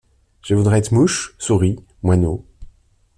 Je voudrais être mouche, souris, moineau.